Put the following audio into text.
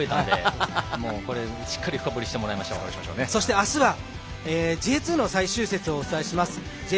あすはＪ２の最終節をお伝えします。